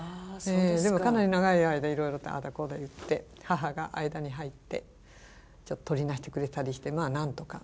かなり長い間いろいろとああだこうだ言って母が間に入ってちょっととりなしてくれたりしてまあなんとか。